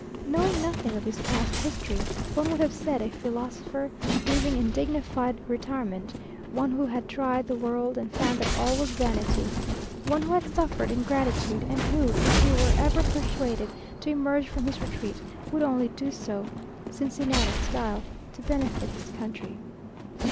Knowing nothing of his past history, one would have said a philosopher, living in dignified retirement one who had tried the world, and found that all was vanity one who had suffered ingratitude, and who, if he were ever persuaded to emerge from his retreat, would only do so, Cincinnatus like, to benefit his country.